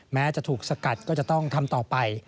แม้จะถูกสกัดก็จะต้องทำต่อไป